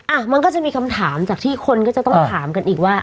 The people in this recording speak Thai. อ่ะมันก็จะมีคำถามจากที่คนก็จะต้องถามกันอีกว่า